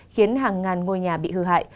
và hàng ngàn ngôi nhà bị hư hại